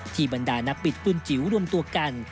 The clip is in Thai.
ที่บรรดานักบิตกลุ้นจิ๋วรวมตัวกัน